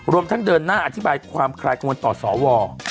ทั้งเดินหน้าอธิบายความคลายกังวลต่อสว